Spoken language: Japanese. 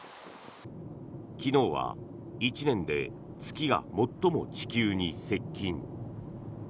昨日は１年で月が最も地球に接近。